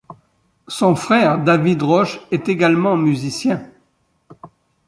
Son frère, David Roche est également musicien.